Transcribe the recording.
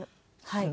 はい。